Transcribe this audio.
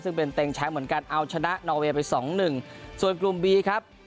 ซึ่งเป็นเต็งแชมป์เหมือนกันเอาชนะนอเวย์ไปสองหนึ่งส่วนกลุ่มบีครับ